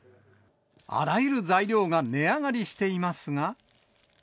あらゆる材料が値上がりしていますが。